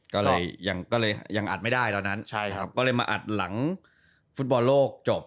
ก็เลยยังก็เลยยังอัดไม่ได้ตอนนั้นใช่ครับก็เลยมาอัดหลังฟุตบอลโลกจบ